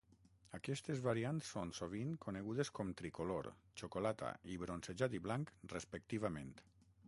Aquestes variants són sovint conegudes com "Tri-Color", "Xocolata" i "Bronzejat i Blanc", respectivament.